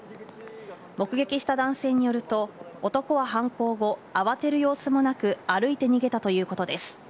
目撃した男性によると、男は犯行後、慌てる様子もなく、歩いて逃げたということです。